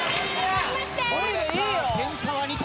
点差は２点。